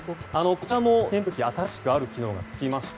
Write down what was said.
こちらの扇風機新しく、ある機能がつきまして。